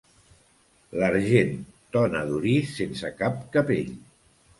L'argent, tona d'orís sense cap capell.